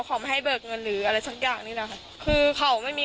สุดท้ายตัดสินใจเดินทางไปร้องทุกข์การถูกกระทำชำระวจริงและตอนนี้ก็มีภาวะซึมเศร้าด้วยนะครับ